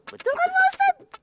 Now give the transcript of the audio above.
betul kan pak ustadz